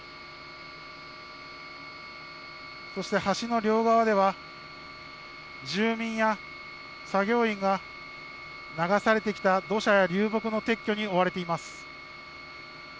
そして橋の両側では住民や作業員が流されてきた土砂や流木の撤去に追われています。